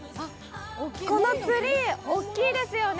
このツリー、大きいですよね。